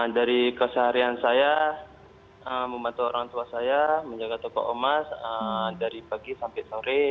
dari keseharian saya membantu orang tua saya menjaga toko omas dari pagi sampai sore